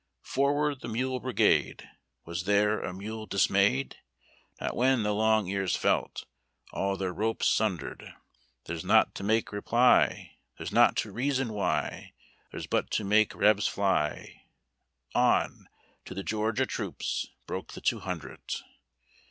" Forward the Mule Brigade!" Was there a mule dismayed? Not when the long ears felt All their ropes sundered. Theirs not to make reply. Theirs not to reason why. Theirs but to make Rebs fly. On ! to the Georgia troops Broke the two hundred.